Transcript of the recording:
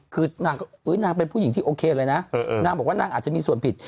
คือนางก็นางเป็นผู้หญิงที่โอเคเลยนะนางบอกว่านางอาจจะมีส่วนผิด